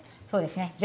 そうですね。